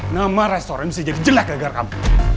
nama restoran bisa jadi jelek agar kamu